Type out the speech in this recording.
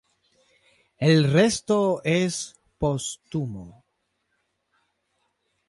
El resto es póstumo.